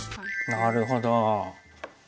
なるほど。